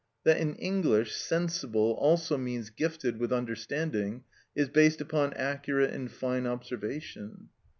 That in English "sensible" also means gifted with understanding is based upon accurate and fine observation.